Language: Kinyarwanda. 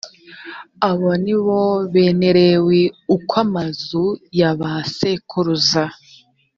abo ni bo bene lewi uko amazu ya ba sekuruza